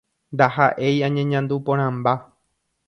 "Ndaha'éi añeñandu porãmba